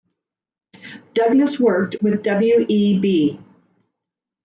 Douglas worked with W. E. B.